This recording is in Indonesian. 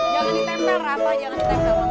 jangan ditempel apa jangan ditempel